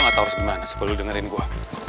gua gak tau harus gimana sebel lu dengerin gua